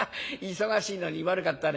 忙しいのに悪かったね。